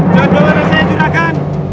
jangan jauh warna saya juragan